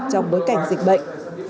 trong bối cảnh dịch bệnh